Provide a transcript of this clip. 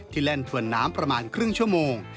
แล่นถวนน้ำประมาณครึ่งชั่วโมง